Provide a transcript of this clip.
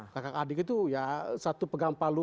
kakak adik itu ya satu pegang palu